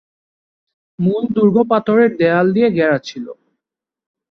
মূল দুর্গ পাথরের দেওয়াল দিয়ে ঘেরা ছিল।